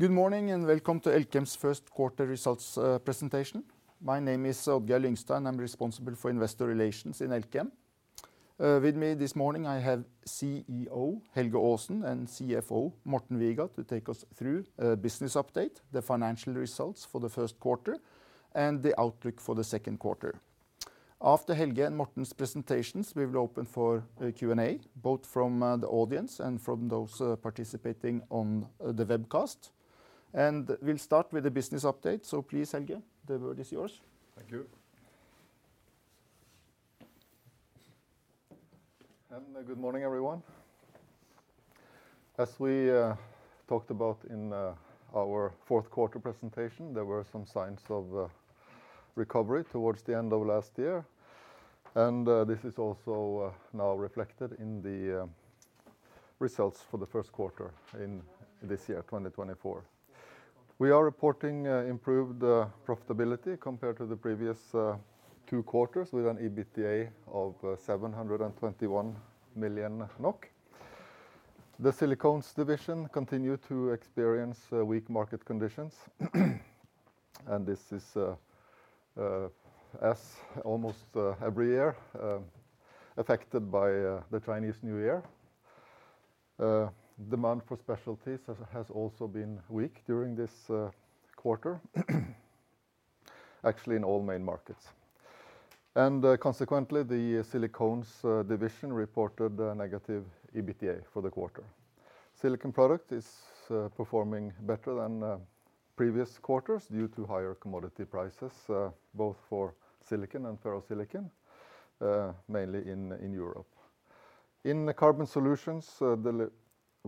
Good morning and welcome to Elkem's First Quarter Results Presentation. My name is Odd-Geir Lyngstad, and I'm responsible for investor relations in Elkem. With me this morning I have CEO Helge Aasen and CFO Morten Viga to take us through a business update, the financial results for the first quarter, and the outlook for the second quarter. After Helge and Morten's presentations, we will open for Q&A, both from the audience and from those participating on the webcast. We'll start with the business update, so please, Helge, the word is yours. Thank you. Good morning, everyone. As we talked about in our fourth quarter presentation, there were some signs of recovery towards the end of last year. This is also now reflected in the results for the first quarter in this year, 2024. We are reporting improved profitability compared to the previous two quarters with an EBITDA of 721 million NOK. The Silicones division continued to experience weak market conditions. This is, as almost every year, affected by the Chinese New Year. Demand for specialties has also been weak during this quarter, actually in all main markets. Consequently, the Silicones division reported a negative EBITDA for the quarter. Silicon Products is performing better than previous quarters due to higher commodity prices, both for silicon and ferrosilicon, mainly in Europe. In Carbon Solutions,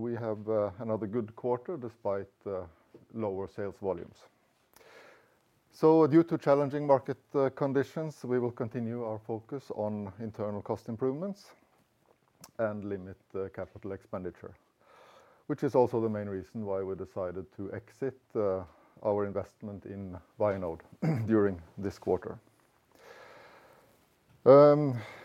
we have another good quarter despite lower sales volumes. So due to challenging market conditions, we will continue our focus on internal cost improvements and limit capital expenditure, which is also the main reason why we decided to exit our investment in Vianode during this quarter.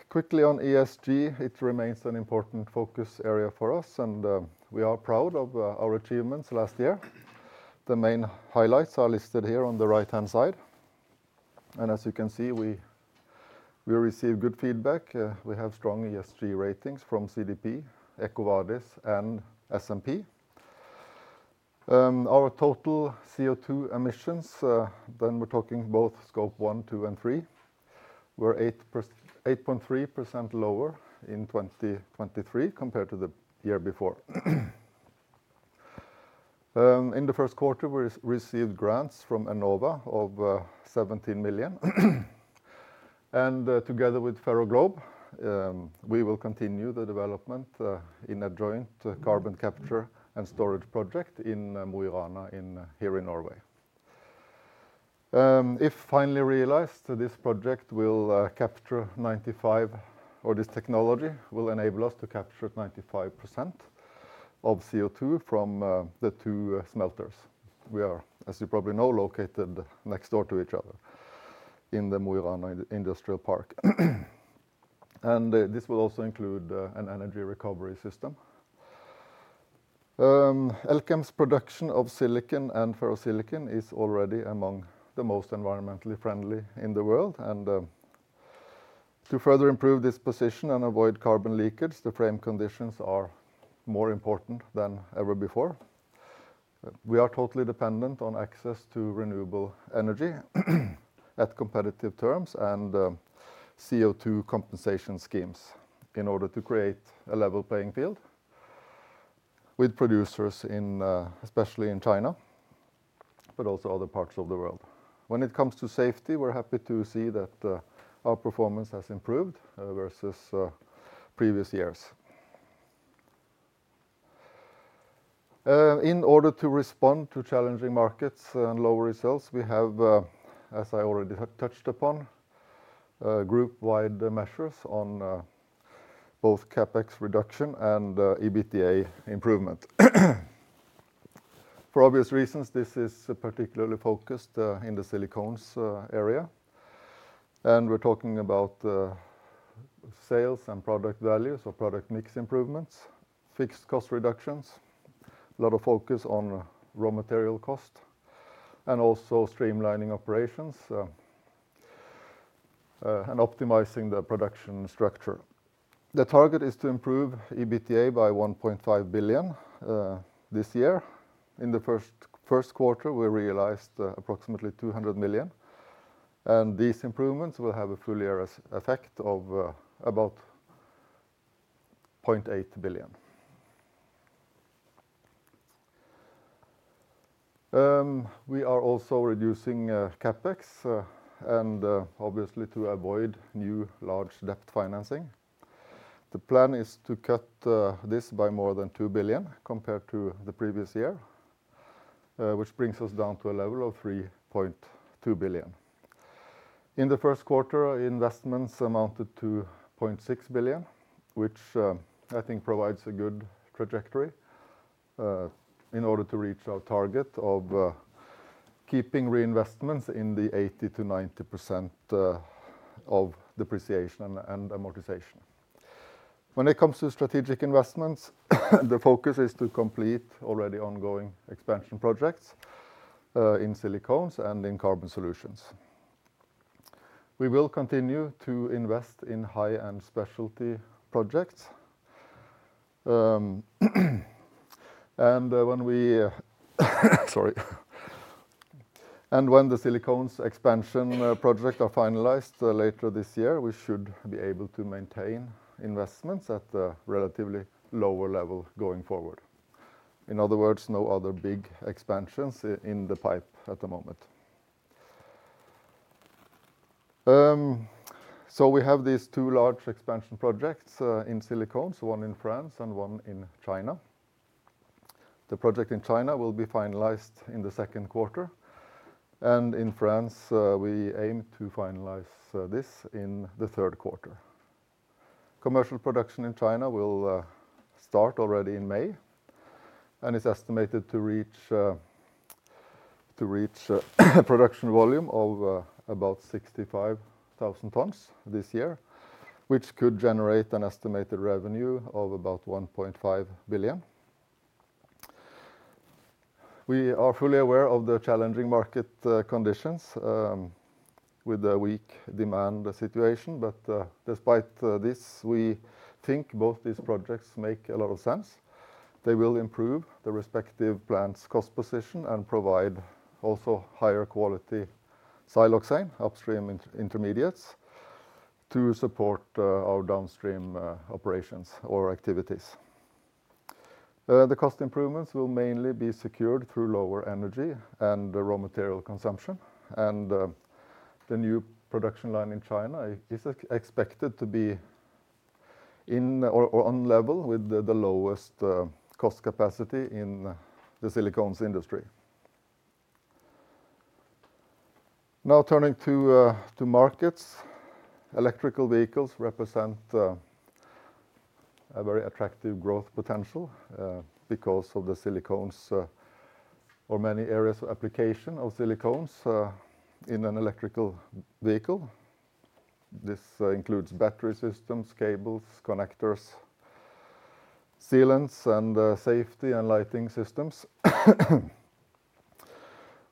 Quickly on ESG, it remains an important focus area for us, and we are proud of our achievements last year. The main highlights are listed here on the right-hand side. And as you can see, we received good feedback. We have strong ESG ratings from CDP, EcoVadis, and S&P. Our total CO2 emissions, then we're talking both Scope 1, 2, and 3, were 8.3% lower in 2023 compared to the year before. In the first quarter, we received grants from Enova of 17 million. And together with Ferroglobe, we will continue the development in a joint carbon capture and storage project in Mo i Rana here in Norway. If finally realized, this project will capture 95%, or this technology will enable us to capture 95% of CO2 from the two smelters. We are, as you probably know, located next door to each other in the Mo i Rana Industrial Park. This will also include an energy recovery system. Elkem's production of silicon and ferrosilicon is already among the most environmentally friendly in the world. To further improve this position and avoid carbon leakage, the frame conditions are more important than ever before. We are totally dependent on access to renewable energy at competitive terms and CO2 compensation schemes in order to create a level playing field with producers, especially in China, but also other parts of the world. When it comes to safety, we're happy to see that our performance has improved versus previous years. In order to respond to challenging markets and lower results, we have, as I already touched upon, group-wide measures on both CapEx reduction and EBITDA improvement. For obvious reasons, this is particularly focused in the Silicones area. We're talking about sales and product values, or product mix improvements, fixed cost reductions, a lot of focus on raw material cost, and also streamlining operations and optimizing the production structure. The target is to improve EBITDA by 1.5 billion this year. In the first quarter, we realized approximately 200 million. These improvements will have a full-year effect of about 0.8 billion. We are also reducing CapEx, and obviously to avoid new large debt financing. The plan is to cut this by more than 2 billion compared to the previous year, which brings us down to a level of 3.2 billion. In the first quarter, investments amounted to 0.6 billion, which I think provides a good trajectory in order to reach our target of keeping reinvestments in the 80%-90% of depreciation and amortization. When it comes to strategic investments, the focus is to complete already ongoing expansion projects in Silicones and in Carbon Solutions. We will continue to invest in high-end specialty projects. And when the Silicones expansion project is finalized later this year, we should be able to maintain investments at a relatively lower level going forward. In other words, no other big expansions in the pipeline at the moment. So we have these two large expansion projects in silicones, one in France and one in China. The project in China will be finalized in the second quarter. And in France, we aim to finalize this in the third quarter. Commercial production in China will start already in May. It's estimated to reach a production volume of about 65,000 tons this year, which could generate an estimated revenue of about 1.5 billion. We are fully aware of the challenging market conditions with the weak demand situation. But despite this, we think both these projects make a lot of sense. They will improve the respective plants' cost position and provide also higher-quality siloxane, upstream intermediates, to support our downstream operations or activities. The cost improvements will mainly be secured through lower energy and raw material consumption. The new production line in China is expected to be on level with the lowest cost capacity in the silicones industry. Now turning to markets, electrical vehicles represent a very attractive growth potential because of the silicones, or many areas of application of silicones in an electrical vehicle. This includes battery systems, cables, connectors, sealants, and safety and lighting systems.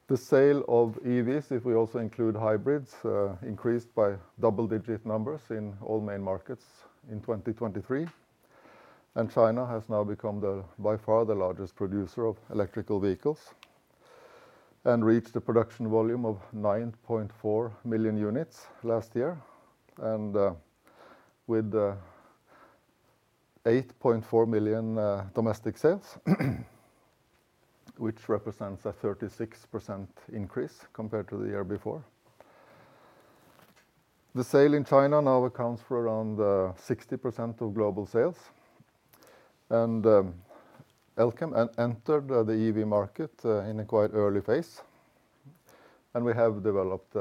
The sale of EVs, if we also include hybrids, increased by double-digit numbers in all main markets in 2023. China has now become by far the largest producer of electrical vehicles and reached a production volume of 9.4 million units last year, and with 8.4 million domestic sales, which represents a 36% increase compared to the year before. The sale in China now accounts for around 60% of global sales. Elkem entered the EV market in a quite early phase. We have developed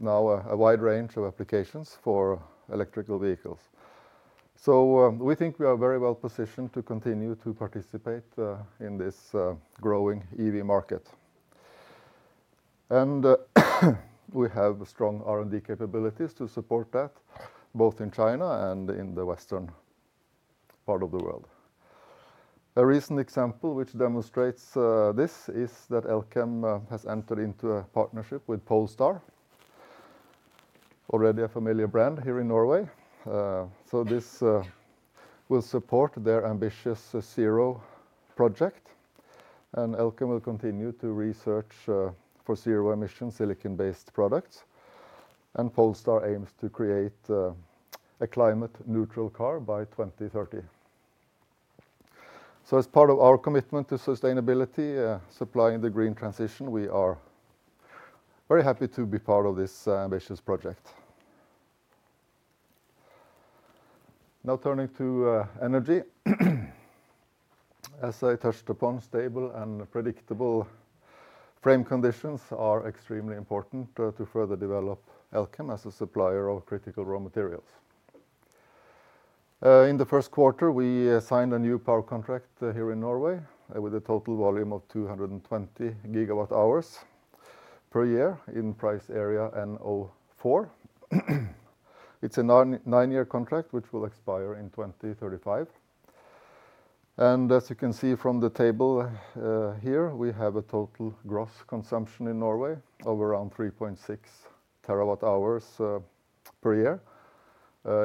now a wide range of applications for electrical vehicles. We think we are very well positioned to continue to participate in this growing EV market. We have strong R&D capabilities to support that, both in China and in the Western part of the world. A recent example which demonstrates this is that Elkem has entered into a partnership with Polestar, already a familiar brand here in Norway. So this will support their ambitious 0 project. And Elkem will continue to research for zero-emission silicon-based products. And Polestar aims to create a climate-neutral car by 2030. So as part of our commitment to sustainability, supplying the green transition, we are very happy to be part of this ambitious project. Now turning to energy. As I touched upon, stable and predictable frame conditions are extremely important to further develop Elkem as a supplier of critical raw materials. In the first quarter, we signed a new power contract here in Norway with a total volume of 220 GWh per year in price area NO4. It's a nine-year contract which will expire in 2035. As you can see from the table here, we have a total gross consumption in Norway of around 3.6 TWh per year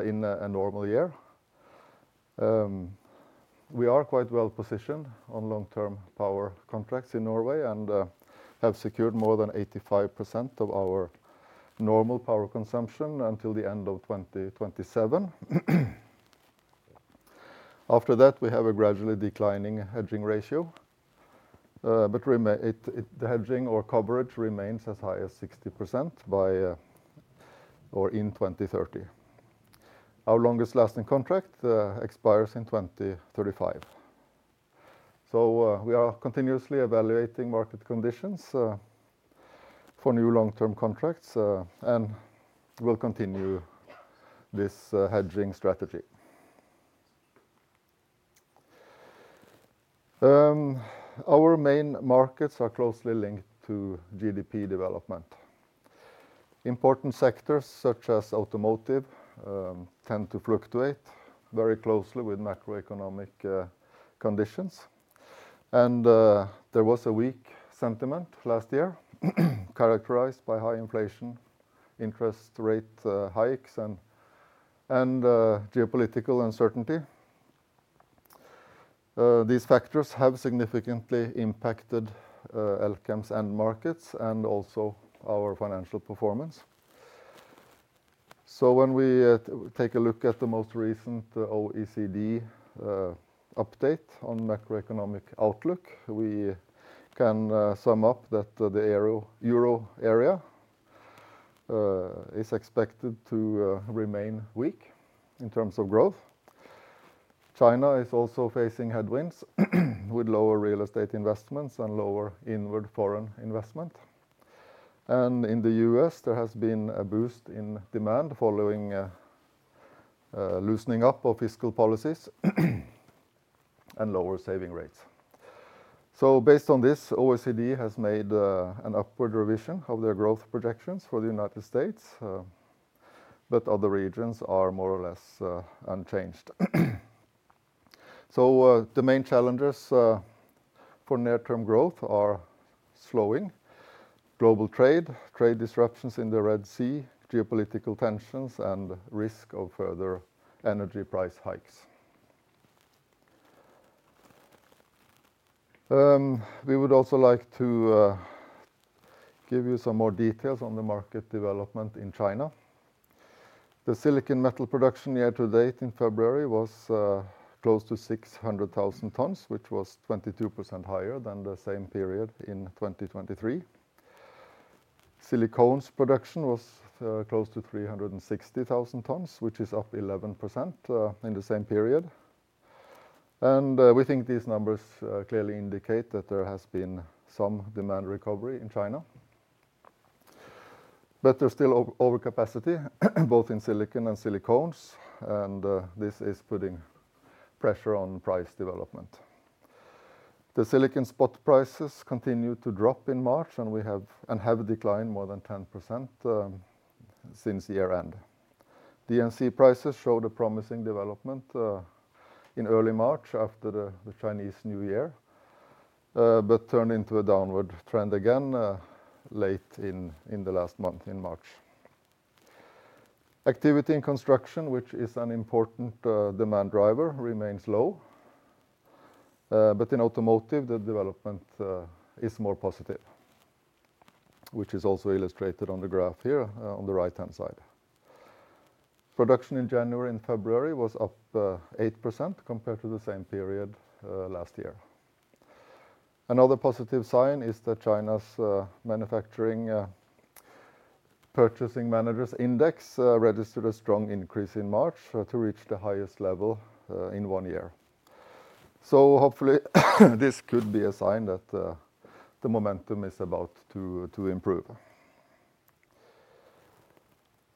in a normal year. We are quite well positioned on long-term power contracts in Norway and have secured more than 85% of our normal power consumption until the end of 2027. After that, we have a gradually declining hedging ratio. The hedging or coverage remains as high as 60% in 2030. Our longest-lasting contract expires in 2035. We are continuously evaluating market conditions for new long-term contracts and will continue this hedging strategy. Our main markets are closely linked to GDP development. Important sectors such as automotive tend to fluctuate very closely with macroeconomic conditions. There was a weak sentiment last year characterized by high inflation, interest rate hikes, and geopolitical uncertainty. These factors have significantly impacted Elkem's end markets and also our financial performance. When we take a look at the most recent OECD update on macroeconomic outlook, we can sum up that the Euro area is expected to remain weak in terms of growth. China is also facing headwinds with lower real estate investments and lower inward foreign investment. In the U.S., there has been a boost in demand following loosening up of fiscal policies and lower saving rates. Based on this, OECD has made an upward revision of their growth projections for the United States. Other regions are more or less unchanged. The main challenges for near-term growth are slowing global trade, trade disruptions in the Red Sea, geopolitical tensions, and risk of further energy price hikes. We would also like to give you some more details on the market development in China. The silicon metal production year-to-date in February was close to 600,000 tons, which was 22% higher than the same period in 2023. Silicones production was close to 360,000 tons, which is up 11% in the same period. We think these numbers clearly indicate that there has been some demand recovery in China. But there's still overcapacity, both in silicon and silicones. This is putting pressure on price development. The silicon spot prices continued to drop in March, and we have a decline more than 10% since year-end. DMC prices showed a promising development in early March after the Chinese New Year, but turned into a downward trend again late in the last month, in March. Activity in construction, which is an important demand driver, remains low. In automotive, the development is more positive, which is also illustrated on the graph here on the right-hand side. Production in January and February was up 8% compared to the same period last year. Another positive sign is that China's Manufacturing Purchasing Managers Index registered a strong increase in March to reach the highest level in one year. So hopefully, this could be a sign that the momentum is about to improve.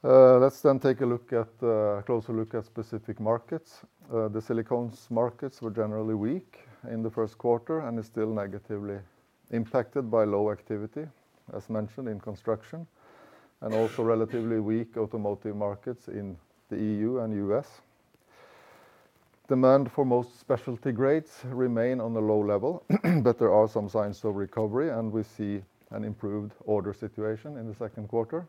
Let's then take a closer look at specific markets. The silicones markets were generally weak in the first quarter and are still negatively impacted by low activity, as mentioned, in construction, and also relatively weak automotive markets in the EU and U.S. Demand for most specialty grades remains on a low level. But there are some signs of recovery, and we see an improved order situation in the second quarter.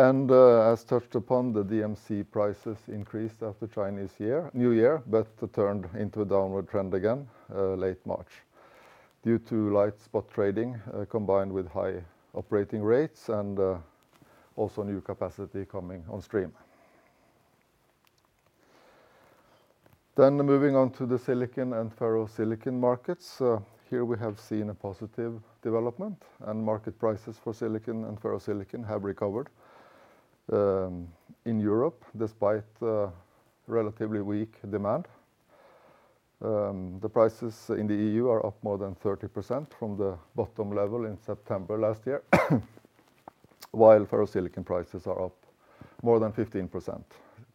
As touched upon, the DMC prices increased after the Chinese New Year, but turned into a downward trend again late March due to light spot trading combined with high operating rates and also new capacity coming on stream. Moving on to the silicon and ferrosilicon markets. Here we have seen a positive development. Market prices for silicon and ferrosilicon have recovered in Europe despite relatively weak demand. The prices in the EU are up more than 30% from the bottom level in September last year, while ferrosilicon prices are up more than 15%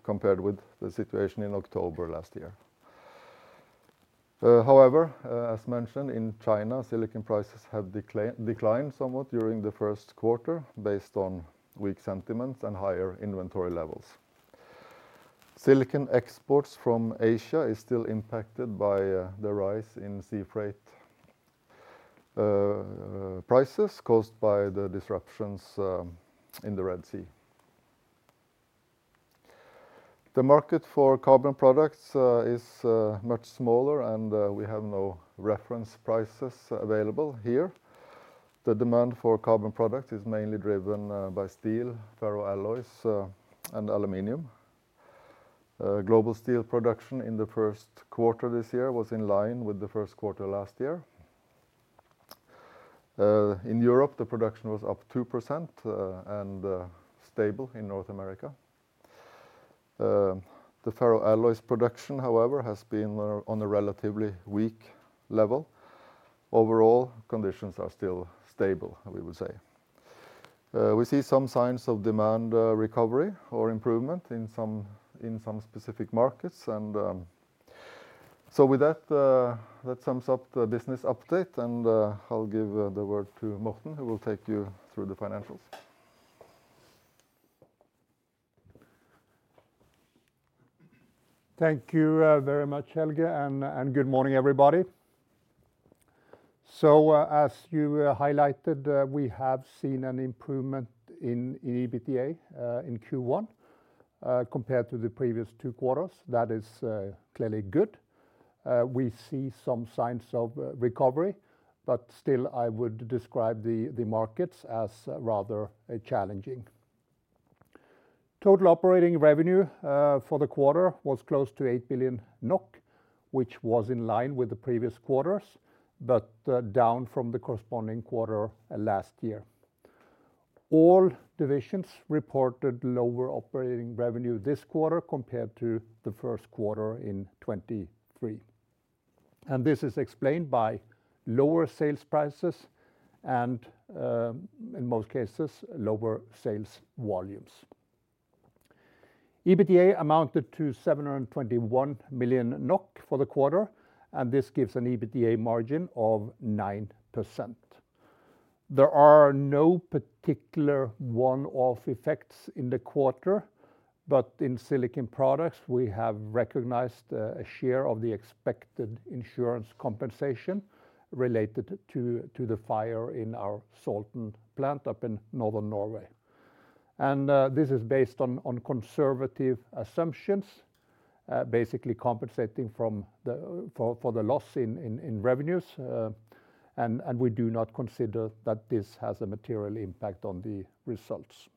compared with the situation in October last year. However, as mentioned, in China, silicon prices have declined somewhat during the first quarter based on weak sentiments and higher inventory levels. Silicon exports from Asia are still impacted by the rise in sea freight prices caused by the disruptions in the Red Sea. The market for carbon products is much smaller, and we have no reference prices available here. The demand for carbon products is mainly driven by steel, ferroalloys, and aluminum. Global steel production in the first quarter this year was in line with the first quarter last year. In Europe, the production was up 2% and stable in North America. The ferroalloys production, however, has been on a relatively weak level. Overall, conditions are still stable, we would say. We see some signs of demand recovery or improvement in some specific markets. And so with that, that sums up the business update. And I'll give the word to Morten, who will take you through the financials. Thank you very much, Helge. And good morning, everybody. So as you highlighted, we have seen an improvement in EBITDA in Q1 compared to the previous two quarters. That is clearly good. We see some signs of recovery. Still, I would describe the markets as rather challenging. Total operating revenue for the quarter was close to 8 billion NOK, which was in line with the previous quarters, but down from the corresponding quarter last year. All divisions reported lower operating revenue this quarter compared to the first quarter in 2023. This is explained by lower sales prices and, in most cases, lower sales volumes. EBITDA amounted to 721 million NOK for the quarter. This gives an EBITDA margin of 9%. There are no particular one-off effects in the quarter. In Silicon Products, we have recognized a share of the expected insurance compensation related to the fire in our Salten plant up in northern Norway. This is based on conservative assumptions, basically compensating for the loss in revenues. We do not consider that this has a material impact on the results.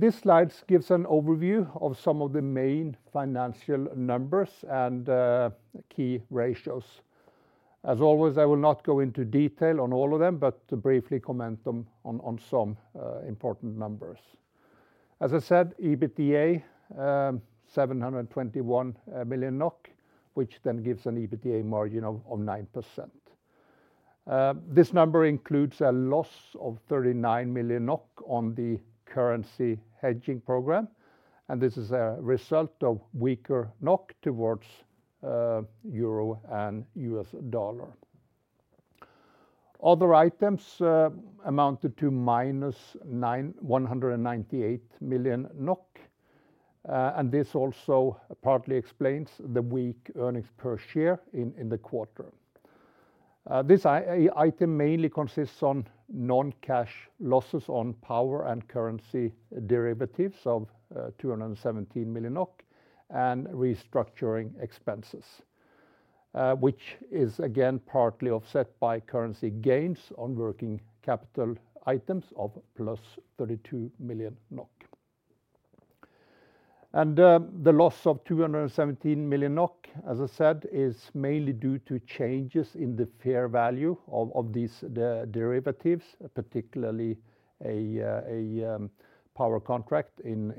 These slides give an overview of some of the main financial numbers and key ratios. As always, I will not go into detail on all of them, but briefly comment on some important numbers. As I said, EBITDA 721 million NOK, which then gives an EBITDA margin of 9%. This number includes a loss of 39 million NOK on the currency hedging program. This is a result of weaker NOK towards Euro and U.S. dollar. Other items amounted to -198 million NOK. This also partly explains the weak earnings per share in the quarter. This item mainly consists of non-cash losses on power and currency derivatives of 217 million NOK and restructuring expenses, which is again partly offset by currency gains on working capital items of +32 million NOK. The loss of 217 million NOK, as I said, is mainly due to changes in the fair value of these derivatives, particularly a power contract in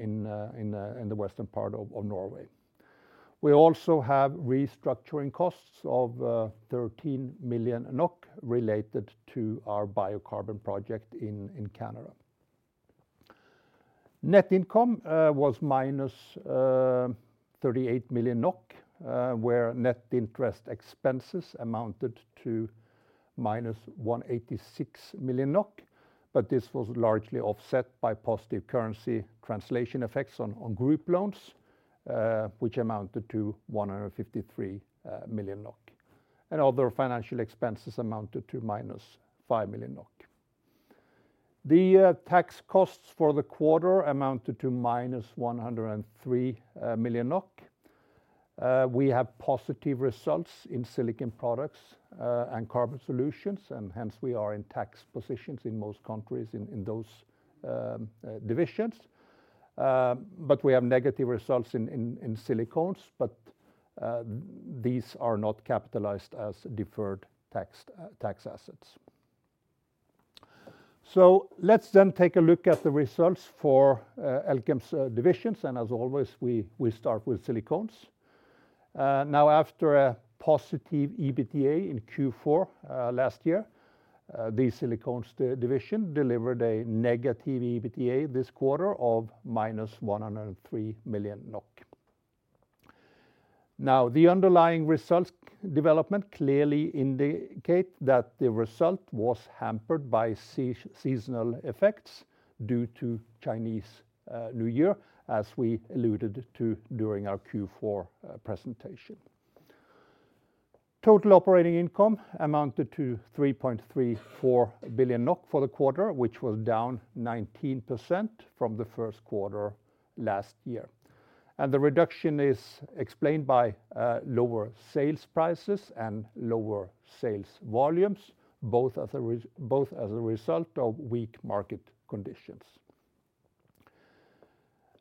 the western part of Norway. We also have restructuring costs of 13 million NOK related to our biocarbon project in Canada. Net income was -38 million NOK, where net interest expenses amounted to -186 million NOK. This was largely offset by positive currency translation effects on group loans, which amounted to 153 million NOK. Other financial expenses amounted to -5 million NOK. The tax costs for the quarter amounted to -103 million NOK. We have positive results in Silicon Products and Carbon Solutions. Hence, we are in tax positions in most countries in those divisions. We have negative results in Silicones. These are not capitalized as deferred tax assets. So let's then take a look at the results for Elkem's divisions. As always, we start with Silicones. Now, after a positive EBITDA in Q4 last year, the Silicones division delivered a negative EBITDA this quarter of -103 million NOK. Now, the underlying results development clearly indicates that the result was hampered by seasonal effects due to Chinese New Year, as we alluded to during our Q4 presentation. Total operating income amounted to 3.34 billion NOK for the quarter, which was down 19% from the first quarter last year. The reduction is explained by lower sales prices and lower sales volumes, both as a result of weak market conditions.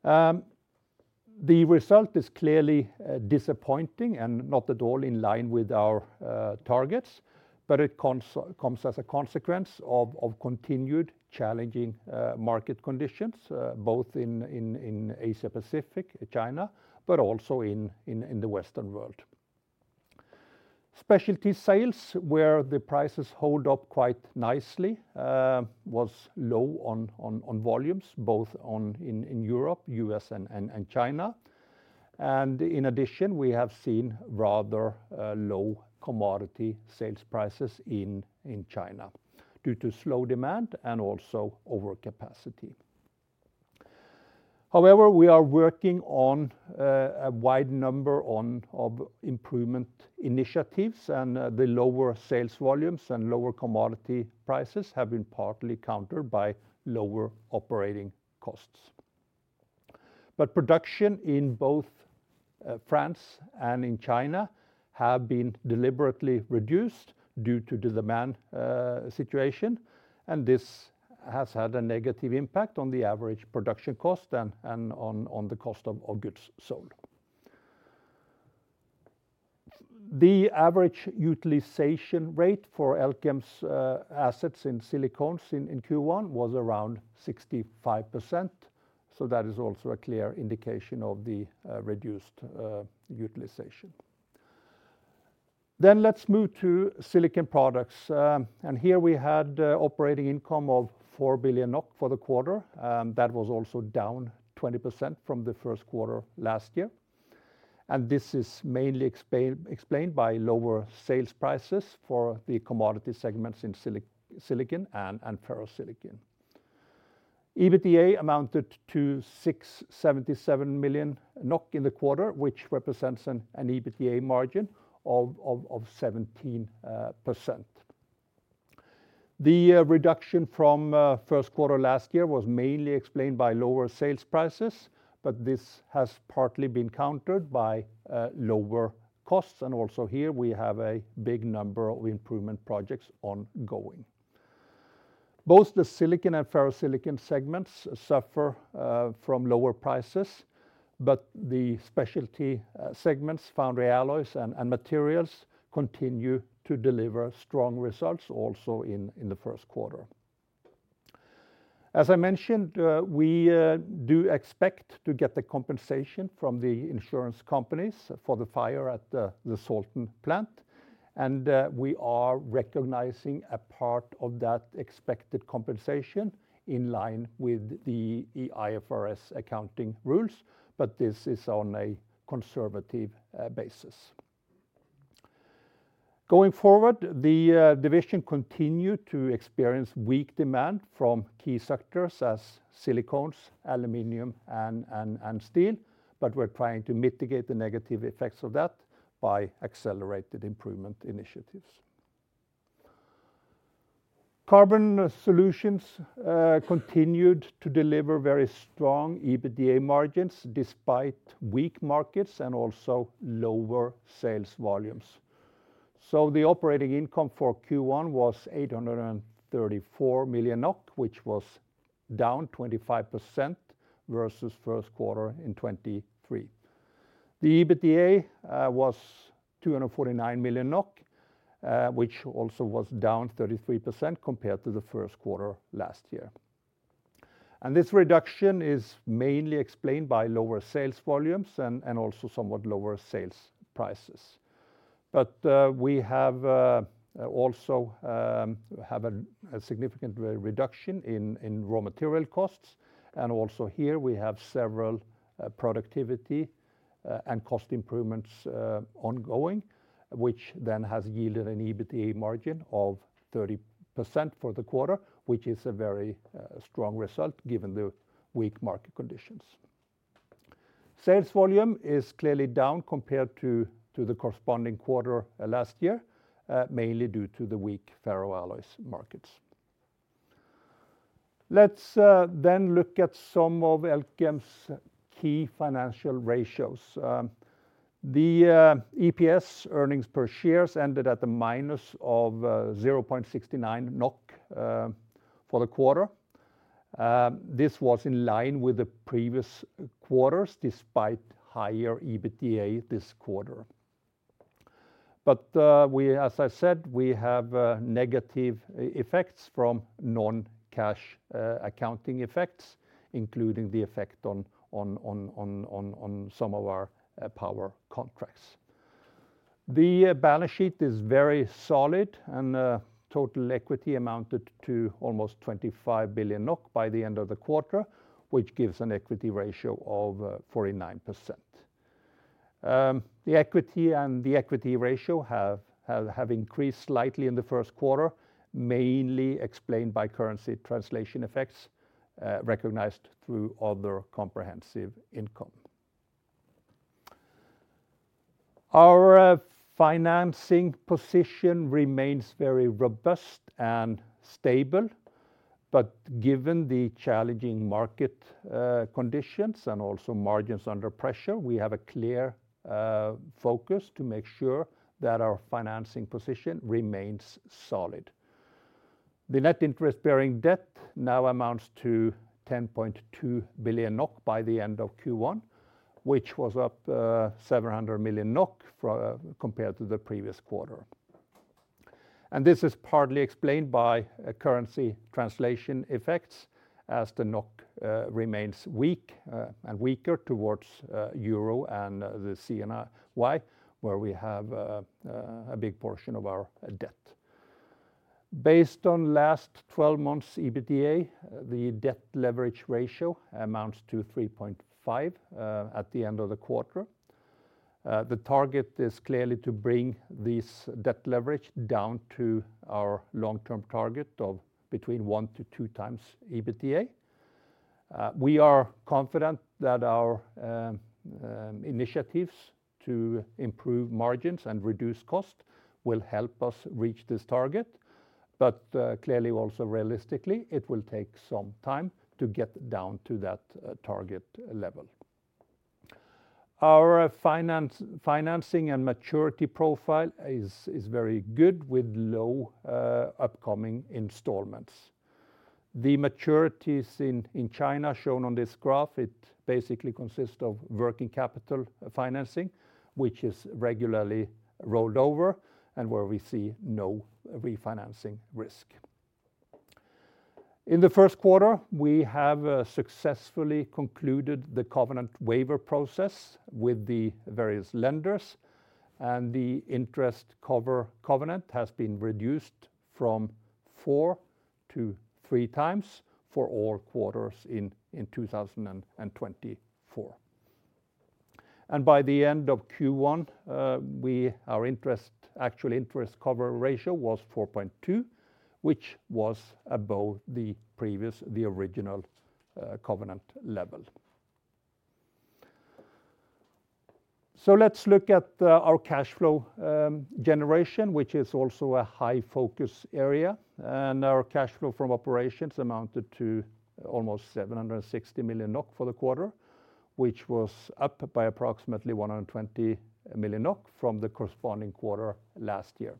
The result is clearly disappointing and not at all in line with our targets. It comes as a consequence of continued challenging market conditions, both in Asia-Pacific, China, but also in the Western world. Specialty sales, where the prices hold up quite nicely, were low on volumes, both in Europe, U.S., and China. In addition, we have seen rather low commodity sales prices in China due to slow demand and also overcapacity. However, we are working on a wide number of improvement initiatives. The lower sales volumes and lower commodity prices have been partly countered by lower operating costs. Production in both France and in China has been deliberately reduced due to the demand situation. This has had a negative impact on the average production cost and on the cost of goods sold. The average utilization rate for Elkem's assets in Silicones in Q1 was around 65%. That is also a clear indication of the reduced utilization. Let's move to Silicon Products. Here we had operating income of 4 billion NOK for the quarter. That was also down 20% from the first quarter last year. This is mainly explained by lower sales prices for the commodity segments in silicon and ferrosilicon. EBITDA amounted to 677 million NOK in the quarter, which represents an EBITDA margin of 17%. The reduction from first quarter last year was mainly explained by lower sales prices. This has partly been countered by lower costs. Also here, we have a big number of improvement projects ongoing. Both the silicon and ferrosilicon segments suffer from lower prices. The specialty segments, foundry alloys, and materials continue to deliver strong results also in the first quarter. As I mentioned, we do expect to get the compensation from the insurance companies for the fire at the Salten plant. We are recognizing a part of that expected compensation in line with the IFRS accounting rules. But this is on a conservative basis. Going forward, the division continues to experience weak demand from key sectors as silicones, aluminum, and steel. But we're trying to mitigate the negative effects of that by accelerated improvement initiatives. Carbon Solutions continued to deliver very strong EBITDA margins despite weak markets and also lower sales volumes. So the operating income for Q1 was 834 million NOK, which was down 25% versus first quarter in 2023. The EBITDA was 249 million NOK, which also was down 33% compared to the first quarter last year. And this reduction is mainly explained by lower sales volumes and also somewhat lower sales prices. But we also have a significant reduction in raw material costs. Also here, we have several productivity and cost improvements ongoing, which then has yielded an EBITDA margin of 30% for the quarter, which is a very strong result given the weak market conditions. Sales volume is clearly down compared to the corresponding quarter last year, mainly due to the weak ferro alloys markets. Let's then look at some of Elkem's key financial ratios. The EPS, earnings per share, ended at -0.69 NOK for the quarter. This was in line with the previous quarters despite higher EBITDA this quarter. But as I said, we have negative effects from non-cash accounting effects, including the effect on some of our power contracts. The balance sheet is very solid. Total equity amounted to almost 25 billion NOK by the end of the quarter, which gives an equity ratio of 49%. The equity and the equity ratio have increased slightly in the first quarter, mainly explained by currency translation effects recognized through other comprehensive income. Our financing position remains very robust and stable. But given the challenging market conditions and also margins under pressure, we have a clear focus to make sure that our financing position remains solid. The net interest-bearing debt now amounts to 10.2 billion NOK by the end of Q1, which was up 700 million NOK compared to the previous quarter. And this is partly explained by currency translation effects as the NOK remains weak and weaker towards Euro and the CNY, where we have a big portion of our debt. Based on last 12 months' EBITDA, the debt leverage ratio amounts to 3.5 at the end of the quarter. The target is clearly to bring this debt leverage down to our long-term target of between 1x-2x EBITDA. We are confident that our initiatives to improve margins and reduce cost will help us reach this target. But clearly, also realistically, it will take some time to get down to that target level. Our financing and maturity profile is very good with low upcoming installments. The maturities in China, shown on this graph, basically consist of working capital financing, which is regularly rolled over and where we see no refinancing risk. In the first quarter, we have successfully concluded the covenant waiver process with the various lenders. The interest cover covenant has been reduced from 4x-3x for all quarters in 2024. By the end of Q1, our actual interest cover ratio was 4.2, which was above the original covenant level. So let's look at our cash flow generation, which is also a high focus area. Our cash flow from operations amounted to almost 760 million NOK for the quarter, which was up by approximately 120 million NOK from the corresponding quarter last year.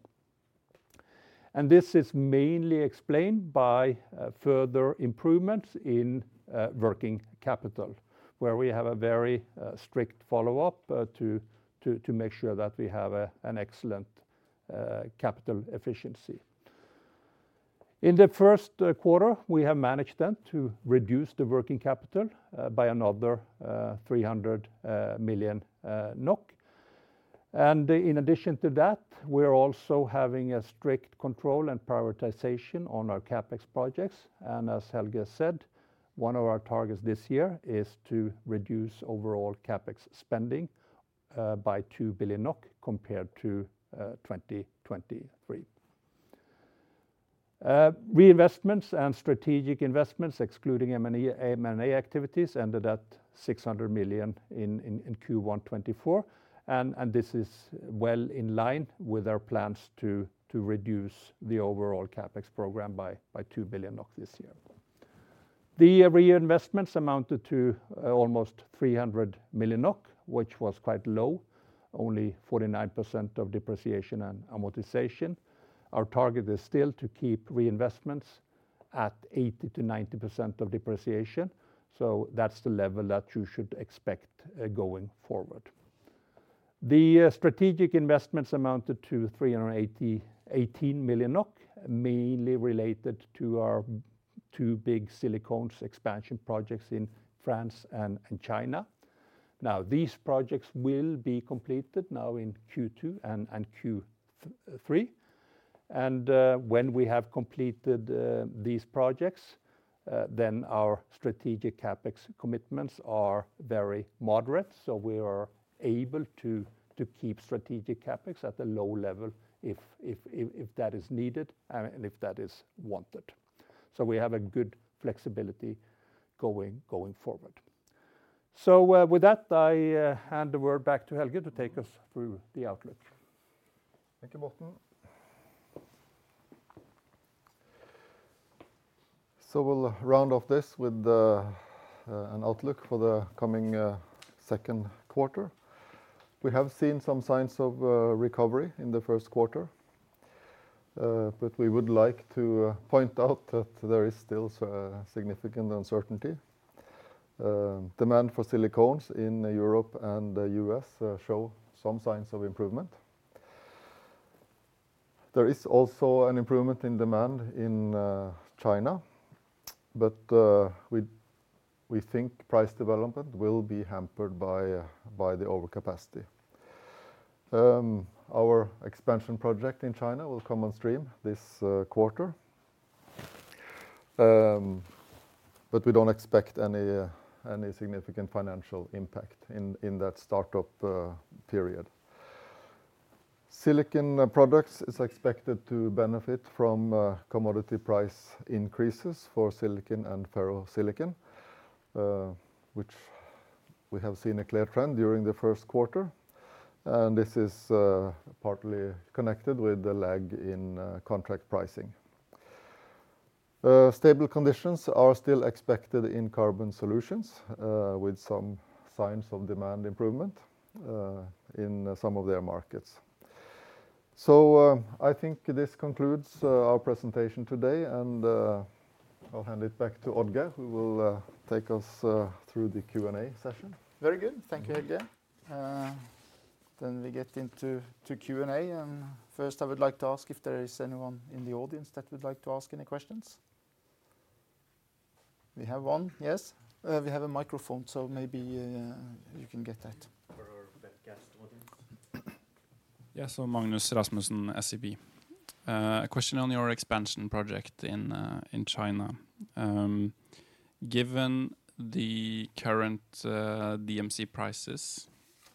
This is mainly explained by further improvements in working capital, where we have a very strict follow-up to make sure that we have an excellent capital efficiency. In the first quarter, we have managed then to reduce the working capital by another 300 million NOK. In addition to that, we're also having a strict control and prioritization on our CapEx projects. As Helge said, one of our targets this year is to reduce overall CapEx spending by 2 billion NOK compared to 2023. Reinvestments and strategic investments, excluding M&A activities, ended at 600 million in Q1 2024. This is well in line with our plans to reduce the overall CapEx program by 2 billion NOK this year. The reinvestments amounted to almost 300 million NOK, which was quite low, only 49% of depreciation and amortization. Our target is still to keep reinvestments at 80%-90% of depreciation. That's the level that you should expect going forward. The strategic investments amounted to 318 million NOK, mainly related to our two big Silicones expansion projects in France and China. Now, these projects will be completed now in Q2 and Q3. When we have completed these projects, then our strategic CapEx commitments are very moderate. We are able to keep strategic CapEx at a low level if that is needed and if that is wanted. We have a good flexibility going forward. So with that, I hand the word back to Helge to take us through the outlook. Thank you, Morten. So we'll round off this with an outlook for the coming second quarter. We have seen some signs of recovery in the first quarter. But we would like to point out that there is still significant uncertainty. Demand for silicones in Europe and the U.S. shows some signs of improvement. There is also an improvement in demand in China. But we think price development will be hampered by the overcapacity. Our expansion project in China will come on stream this quarter. But we don't expect any significant financial impact in that startup period. Silicon Products are expected to benefit from commodity price increases for silicon and ferrosilicon, which we have seen a clear trend during the first quarter. And this is partly connected with the lag in contract pricing. Stable conditions are still expected in Carbon Solutions with some signs of demand improvement in some of their markets. So I think this concludes our presentation today. And I'll hand it back to Odd-Geir, who will take us through the Q&A session. Very good. Thank you, Helge. Then we get into Q&A. And first, I would like to ask if there is anyone in the audience that would like to ask any questions. We have one. Yes? We have a microphone. So maybe you can get that. For our webcast audience. Yeah. So Magnus Rasmussen, SEB. A question on your expansion project in China. Given the current DMC prices,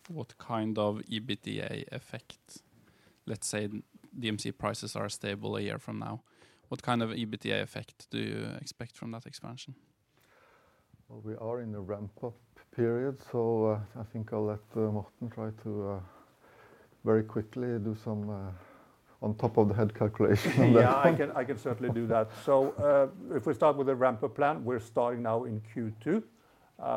what kind of EBITDA effect, let's say DMC prices are stable a year from now, what kind of EBITDA effect do you expect from that expansion? Well, we are in a ramp-up period. So I think I'll let Morten try to very quickly do some on top of the head calculation on that. Yeah. I can certainly do that. So if we start with a ramp-up plan, we're starting now in Q2.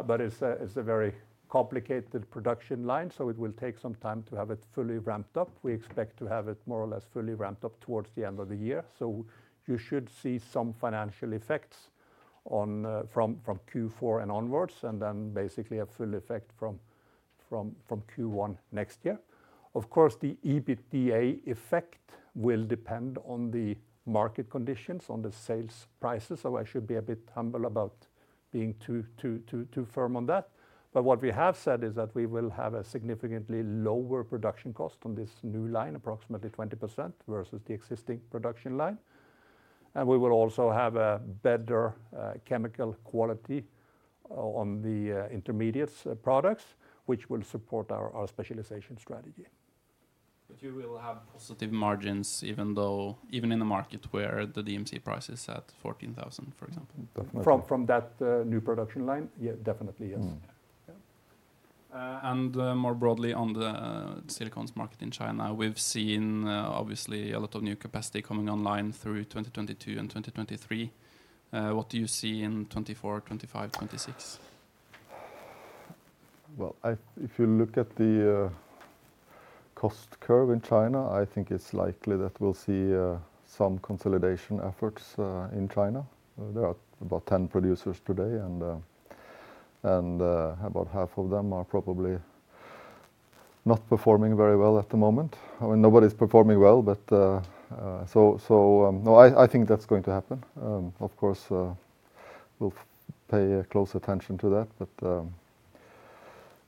But it's a very complicated production line. So it will take some time to have it fully ramped up. We expect to have it more or less fully ramped up towards the end of the year. So you should see some financial effects from Q4 and onwards and then basically a full effect from Q1 next year. Of course, the EBITDA effect will depend on the market conditions, on the sales prices. So I should be a bit humble about being too firm on that. But what we have said is that we will have a significantly lower production cost on this new line, approximately 20% versus the existing production line. And we will also have a better chemical quality on the intermediates products, which will support our specialization strategy. But you will have positive margins even in the market where the DMC price is at 14,000, for example? Definitely. From that new production line? Yeah. Definitely, yes. Yeah. And more broadly on the silicones market in China, we've seen obviously a lot of new capacity coming online through 2022 and 2023. What do you see in 2024, 2025, 2026? Well, if you look at the cost curve in China, I think it's likely that we'll see some consolidation efforts in China. There are about 10 producers today. And about half of them are probably not performing very well at the moment. I mean, nobody's performing well. But so no, I think that's going to happen. Of course, we'll pay close attention to that.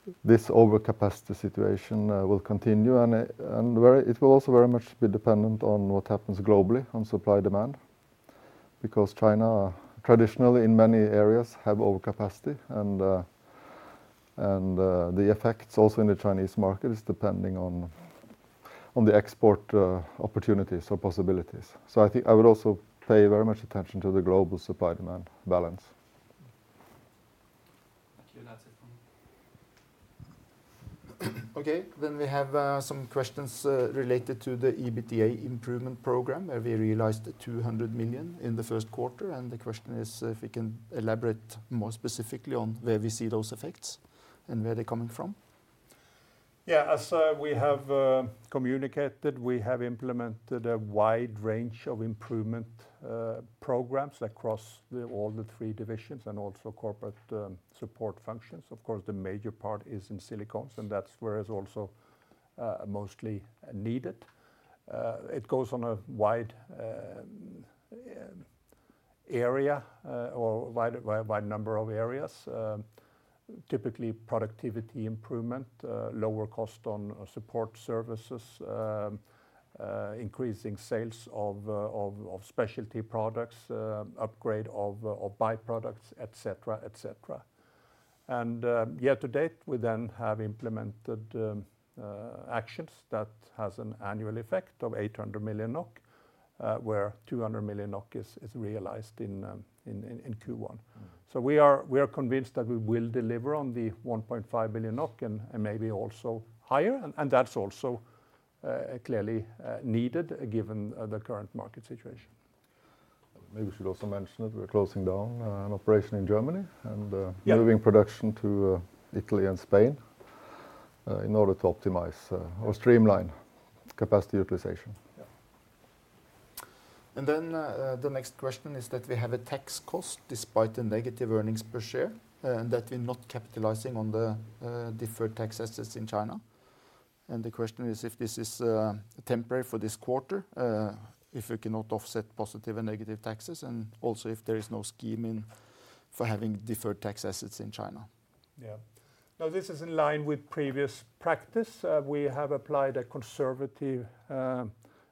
But this overcapacity situation will continue. It will also very much be dependent on what happens globally on supply-demand because China traditionally, in many areas, have overcapacity. And the effects also in the Chinese market is depending on the export opportunities or possibilities. So I think I would also pay very much attention to the global supply-demand balance. Thank you. That's it from me. Okay. We have some questions related to the EBITDA improvement program where we realized 200 million in the first quarter. And the question is if we can elaborate more specifically on where we see those effects and where they're coming from. Yeah. As we have communicated, we have implemented a wide range of improvement programs across all the three divisions and also corporate support functions. Of course, the major part is in Silicones. And that's where it's also mostly needed. It goes on a wide area or a wide number of areas, typically productivity improvement, lower cost on support services, increasing sales of specialty products, upgrade of byproducts, etc., etc. And year-to-date, we then have implemented actions that have an annual effect of 800 million NOK, where 200 million NOK is realized in Q1. So we are convinced that we will deliver on the 1.5 billion NOK and maybe also higher. And that's also clearly needed given the current market situation. Maybe we should also mention that we're closing down an operation in Germany and moving production to Italy and Spain in order to optimize or streamline capacity utilization. Yeah. And then the next question is that we have a tax cost despite the negative earnings per share and that we're not capitalizing on the deferred tax assets in China. The question is if this is temporary for this quarter, if we cannot offset positive and negative taxes, and also if there is no scheme for having deferred tax assets in China. Yeah. Now, this is in line with previous practice. We have applied a conservative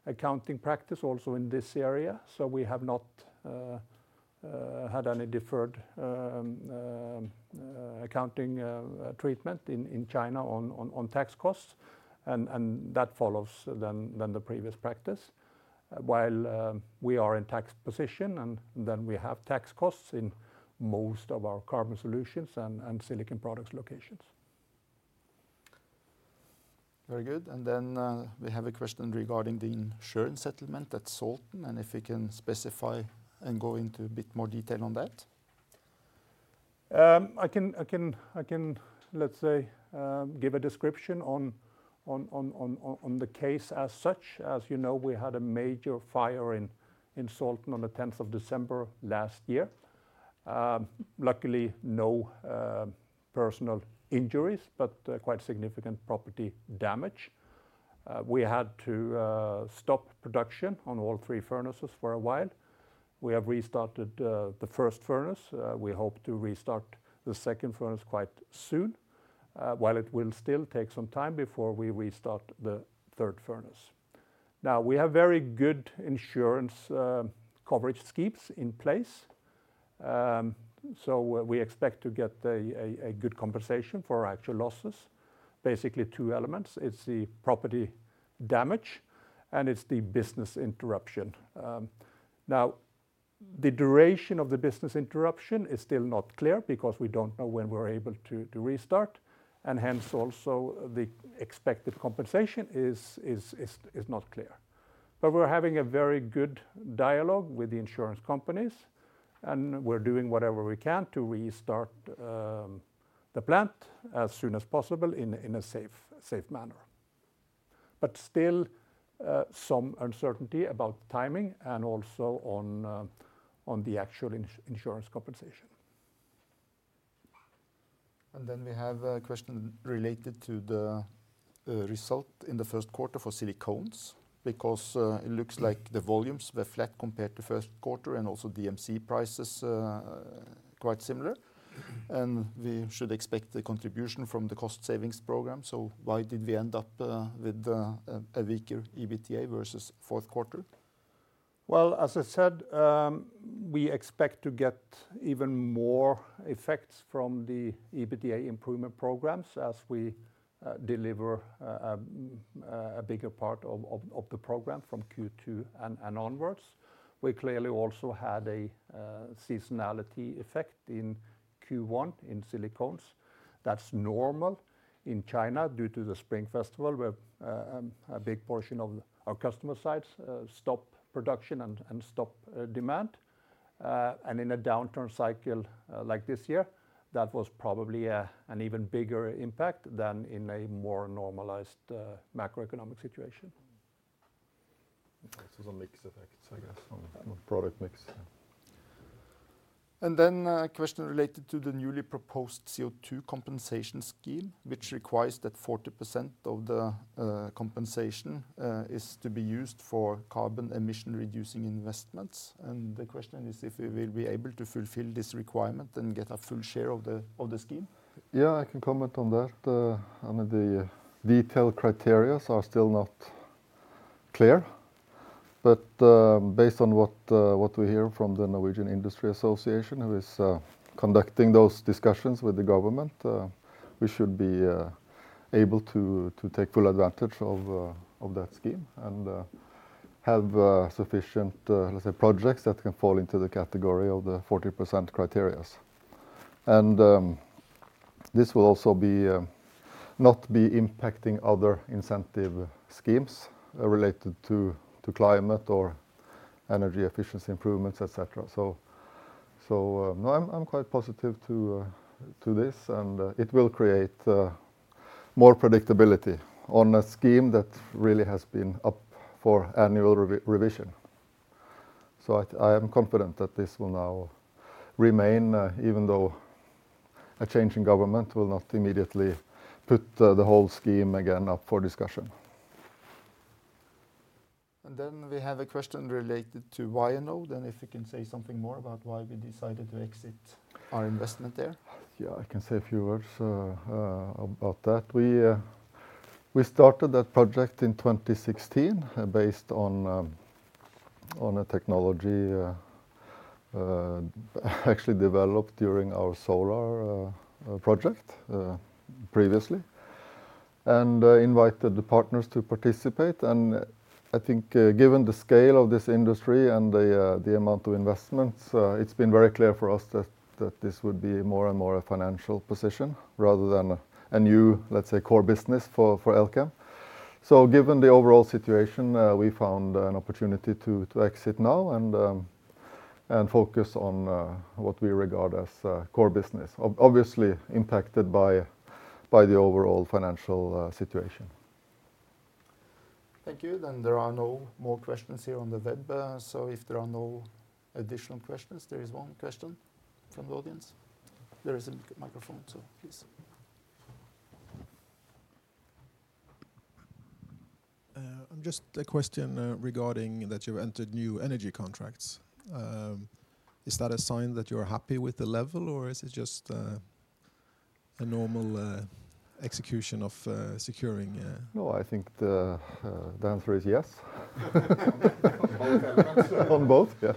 accounting practice also in this area. So we have not had any deferred accounting treatment in China on tax costs. And that follows then the previous practice while we are in tax position. And then we have tax costs in most of our Carbon Solutions and Silicon Products locations. Very good. And then we have a question regarding the insurance settlement at Salten and if we can specify and go into a bit more detail on that. I can, let's say, give a description on the case as such. As you know, we had a major fire in Salten on the 10th of December last year. Luckily, no personal injuries, but quite significant property damage. We had to stop production on all three furnaces for a while. We have restarted the first furnace. We hope to restart the second furnace quite soon, while it will still take some time before we restart the third furnace. Now, we have very good insurance coverage schemes in place. So we expect to get a good compensation for our actual losses. Basically, two elements. It's the property damage, and it's the business interruption. Now, the duration of the business interruption is still not clear because we don't know when we're able to restart. And hence, also, the expected compensation is not clear. But we're having a very good dialogue with the insurance companies. We're doing whatever we can to restart the plant as soon as possible in a safe manner. Still some uncertainty about timing and also on the actual insurance compensation. Then we have a question related to the result in the first quarter for Silicones because it looks like the volumes were flat compared to first quarter and also DMC prices quite similar. We should expect the contribution from the cost-savings program. Why did we end up with a weaker EBITDA versus fourth quarter? Well, as I said, we expect to get even more effects from the EBITDA improvement programs as we deliver a bigger part of the program from Q2 and onwards. We clearly also had a seasonality effect in Q1 in Silicones. That's normal in China due to the Spring Festival where a big portion of our customer sites stop production and stop demand. In a downturn cycle like this year, that was probably an even bigger impact than in a more normalized macroeconomic situation. Some mixed effects, I guess, on product mix. Then a question related to the newly proposed CO2 compensation scheme, which requires that 40% of the compensation is to be used for carbon emission-reducing investments. The question is if we will be able to fulfill this requirement and get a full share of the scheme. Yeah. I can comment on that. I mean, the detailed criteria are still not clear. But based on what we hear from the Norwegian Industry Association, who is conducting those discussions with the government, we should be able to take full advantage of that scheme and have sufficient, let's say, projects that can fall into the category of the 40% criteria. And this will also not be impacting other incentive schemes related to climate or energy efficiency improvements, etc. So no, I'm quite positive to this. And it will create more predictability on a scheme that really has been up for annual revision. So I am confident that this will now remain, even though a changing government will not immediately put the whole scheme again up for discussion. And then we have a question related to Vianode and if we can say something more about why we decided to exit our investment there. Yeah. I can say a few words about that. We started that project in 2016 based on a technology actually developed during our solar project previously and invited the partners to participate. And I think given the scale of this industry and the amount of investments, it's been very clear for us that this would be more and more a financial position rather than a new, let's say, core business for Elkem. So given the overall situation, we found an opportunity to exit now and focus on what we regard as core business, obviously impacted by the overall financial situation. Thank you. Then there are no more questions here on the web. So if there are no additional questions, there is one question from the audience. There is a microphone. So please. Just a question regarding that you've entered new energy contracts. Is that a sign that you're happy with the level, or is it just a normal execution of securing? No, I think the answer is yes. On both? On both, yeah.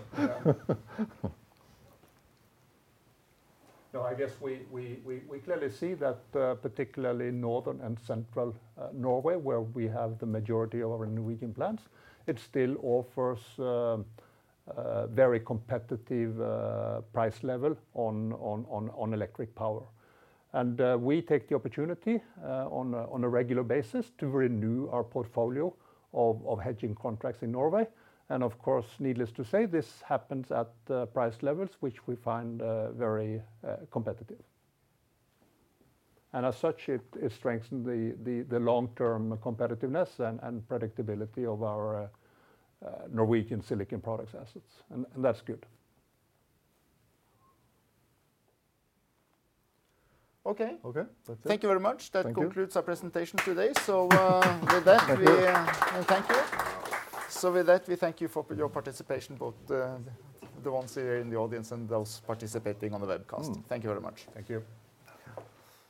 No, I guess we clearly see that particularly in northern and central Norway, where we have the majority of our Norwegian plants, it still offers a very competitive price level on electric power. We take the opportunity on a regular basis to renew our portfolio of hedging contracts in Norway. Of course, needless to say, this happens at price levels which we find very competitive. As such, it strengthens the long-term competitiveness and predictability of our Norwegian Silicon Products assets. That's good. Okay. Okay. That's it. Thank you very much. That concludes our presentation today. With that, we thank you. With that, we thank you for your participation, both the ones here in the audience and those participating on the webcast. Thank you very much. Thank you.